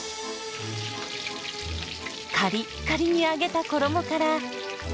カリッカリに揚げた衣から。